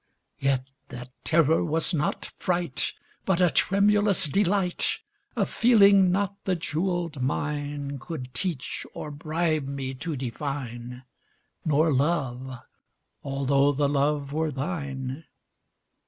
Yet that terror was not fright, But a tremulous delight— A feeling not the jewelled mine Could teach or bribe me to define— Nor Love—although the Love were thine.